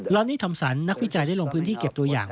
อนนี่ทำสันนักวิจัยได้ลงพื้นที่เก็บตัวอย่าง